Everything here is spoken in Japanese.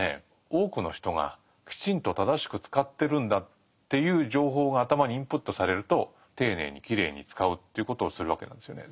「多くの人がきちんと正しく使ってるんだ」っていう情報が頭にインプットされると丁寧にきれいに使うということをするわけなんですよね。